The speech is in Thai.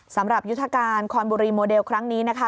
สำหรับยุทธการคอนบุรีโมเดลครั้งนี้นะคะ